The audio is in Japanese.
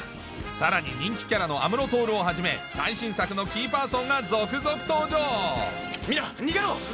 さらに人気キャラのをはじめ最新作のキーパーソンが続々登場みんな逃げろ！